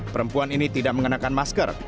perempuan ini tidak mengenakan masker